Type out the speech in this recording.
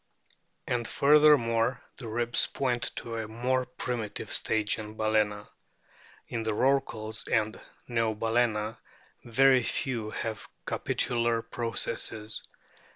And furthermore, the ribs point to a more primitive stage in Bal&na. In the Rorquals and in Neobalccna very few have capitular processes.